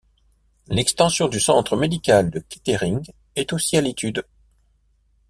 L'extension du Centre médical de Kettering est aussi à l'étude.